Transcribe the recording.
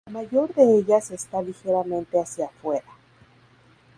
La mayor de ellas está ligeramente hacia fuera.